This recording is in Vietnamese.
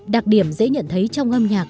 đặc điểm dễ nhận thấy trong âm nhạc